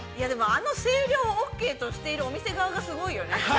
◆あの声量をオッケーとしてるお店側がすごいよね。